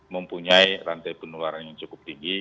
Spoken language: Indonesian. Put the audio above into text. mempunyai rantai penularan yang cukup tinggi